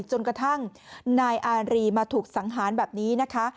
จนกระทั่งนายอารีมาถูกสังหารแบบนี้นะคะ